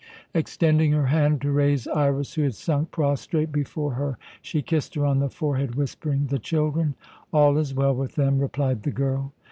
Extending her hand to raise Iras, who had sunk prostrate before her, she kissed her on the forehead, whispering, "The children?" "All is well with them," replied the girl.